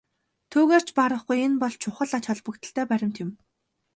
Түүгээр ч барахгүй энэ бол чухал ач холбогдолтой баримт мөн.